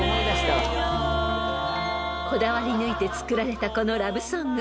［こだわり抜いて作られたこのラブソング］